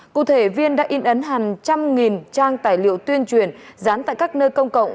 cụ thể viên đã in ấn hàng trăm nghìn trang tài liệu tuyên truyền dán tại các nơi công cộng